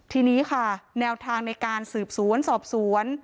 ทีนี้ค่ะแนวทางในการสืบสวนสอบสวน